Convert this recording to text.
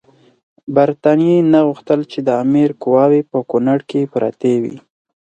برټانیې نه غوښتل چې د امیر قواوې په کونړ کې پرتې وي.